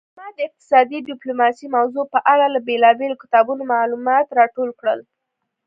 ما د اقتصادي ډیپلوماسي موضوع په اړه له بیلابیلو کتابونو معلومات راټول کړل